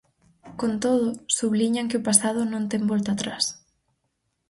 Con todo, subliñan que o pasado non ten volta atrás.